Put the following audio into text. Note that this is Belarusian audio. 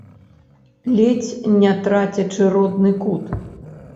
Ледзь не трацячы родны кут.